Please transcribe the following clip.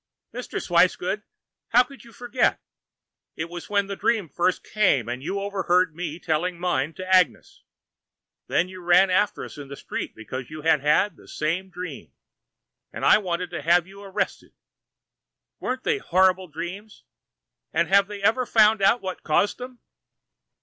"Mr. Swicegood, how could you forget? It was when the dreams first came, and you overheard me telling mine to Agnes. Then you ran after us in the street because you had had the same dream, and I wanted to have you arrested. Weren't they horrible dreams? And have they ever found out what caused them?"